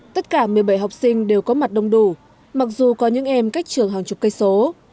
tất cả một mươi bảy học sinh đều có mặt đông đủ mặc dù có những em cách trường hàng chục cây số